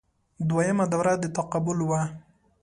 دویمه دوره د تقابل وه